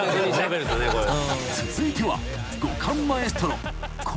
［続いては］